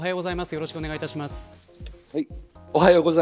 よろしくお願いします。